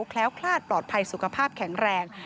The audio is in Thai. แคล้วคลาดปลอดภัยสุขภาพแข็งแรง